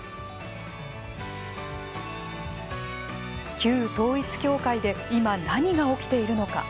旧統一教会で今、何が起きているのか。